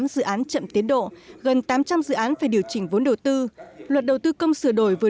một bảy trăm bảy mươi tám dự án chậm tiến độ gần tám trăm linh dự án phải điều chỉnh vốn đầu tư luật đầu tư công sửa đổi vừa